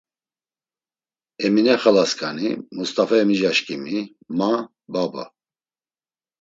Emine xalasǩani, Must̆afa emicaşǩimi, ma, baba…